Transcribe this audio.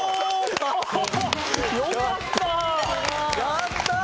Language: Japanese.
やったー！